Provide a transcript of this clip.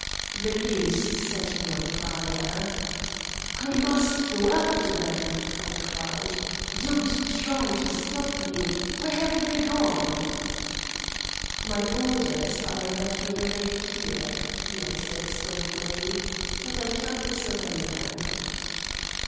The news set me on fire. "I must go after them!" I cried. "Don't try to stop me. Where have they gone?" "My orders are that you remain here," he answered stolidly, "and I cannot disobey them."